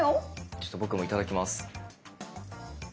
ちょっと僕も頂きます。